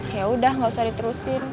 yaudah gak usah diterusin